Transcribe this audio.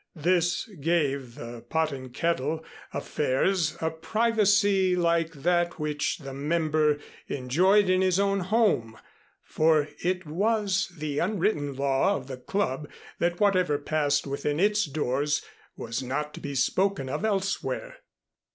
This gave the "Pot and Kettle" affairs a privacy like that which the member enjoyed in his own home, for it was the unwritten law of the Club that whatever passed within its doors was not to be spoken of elsewhere.